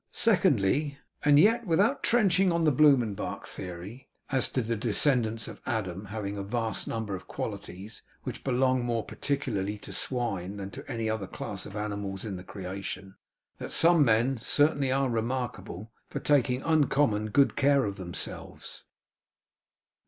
Secondly, and yet without trenching on the Blumenbach theory as to the descendants of Adam having a vast number of qualities which belong more particularly to swine than to any other class of animals in the creation, that some men certainly are remarkable for taking uncommon good care of themselves.